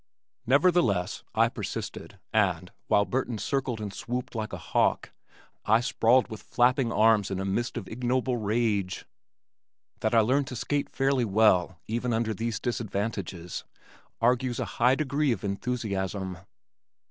Nevertheless, I persisted and, while Burton circled and swooped like a hawk, I sprawled with flapping arms in a mist of ignoble rage. That I learned to skate fairly well even under these disadvantages argues a high degree of enthusiasm.